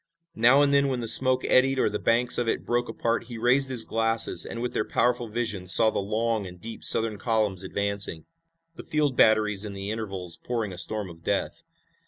Now and then when the smoke eddied or the banks of it broke apart he raised his glasses and with their powerful vision saw the long and deep Southern columns advancing, the field batteries in the intervals pouring a storm of death.